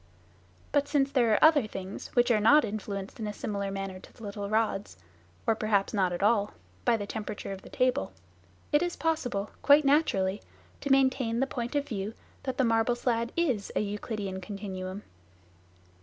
But since there are other things which are not influenced in a similar manner to the little rods (or perhaps not at all) by the temperature of the table, it is possible quite naturally to maintain the point of view that the marble slab is a " Euclidean continuum."